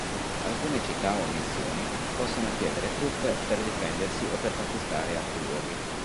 Alcune città o missioni possono chiedere truppe per difendersi o per conquistare altri luoghi.